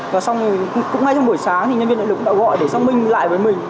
và sau cũng hay trong buổi sáng thì nhân viên địa lực cũng đã gọi để xong mình lại với mình